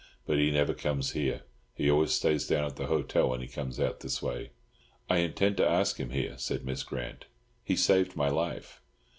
But he never comes here. He always stays down at the hotel when he comes out this way." "I intend to ask him here," said Miss Grant. "He saved my life."